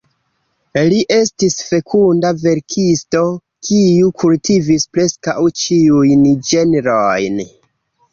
Li estis fekunda verkisto, kiu kultivis preskaŭ ĉiujn ĝenrojn.